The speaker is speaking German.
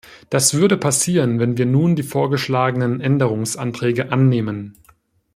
Das würde passieren, wenn wir nun die vorgeschlagenen Änderungsanträge annehmen.